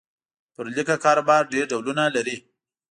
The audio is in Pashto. پر لیکه کاروبار ډېر ډولونه لري.